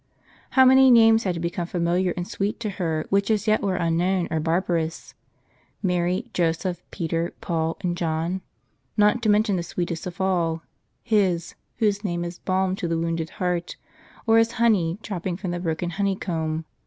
How many names had to become familiar and sweet to her which as yet were unknown, or barbarous — Mary, Joseph, Peter, Paul, and John ? Not to mention the sweetest of all, His, whose name is balm to the wounded heart, or as honey dropping from the broken honeycomb.